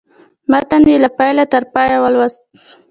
متن یې له پیله تر پایه ولوست.